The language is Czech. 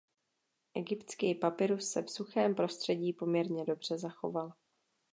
Egyptský papyrus se v suchém prostředí poměrně dobře zachoval.